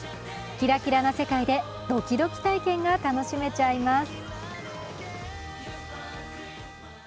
キラキラな世界でドキドキ体験が楽しめちゃいます。